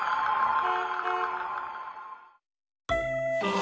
あ。